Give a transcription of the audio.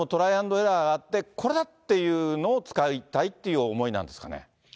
・アンド・エラーがあって、これだっていうのを使いたいっていう思いなんですかね？